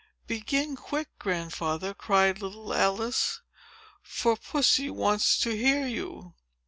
"Begin quick, Grandfather," cried little Alice; "for Pussy wants to hear you."